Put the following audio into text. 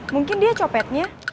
mungkin dia copetnya